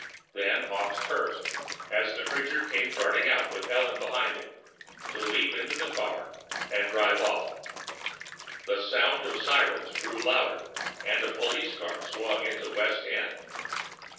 Then Hawkes cursed, as the creature came darting out, with Ellen behind him, to leap into a car and drive off. The sound of sirens grew louder, and a police car swung onto West End.